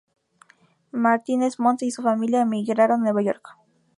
Martínez Montt y su familia emigraron a Nueva York.